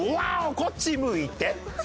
こっちむいて」